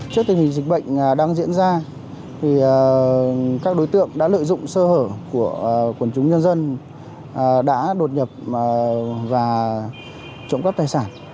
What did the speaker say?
trước tình hình dịch bệnh đang diễn ra các đối tượng đã lợi dụng sơ hở của quần chúng nhân dân đã đột nhập và trộm cắp tài sản